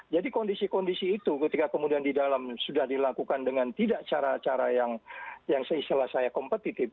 jadi kondisi kondisi itu ketika kemudian di dalam sudah dilakukan dengan tidak cara cara yang seistilah saya kompetitif